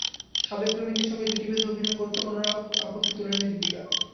সাবেক প্রেমিকের সঙ্গে জুটি বেঁধে অভিনয় করতেও কোনো রকম আপত্তি তোলেননি দীপিকা।